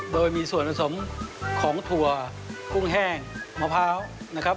โดยมีส่วนผสมของถั่วกุ้งแห้งมะพร้าวนะครับ